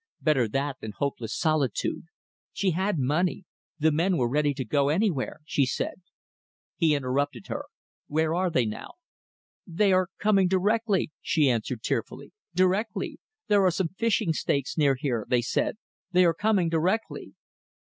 Better that than hopeless solitude. She had money. The men were ready to go anywhere ... she said. He interrupted her "Where are they now?" "They are coming directly," she answered, tearfully. "Directly. There are some fishing stakes near here they said. They are coming directly."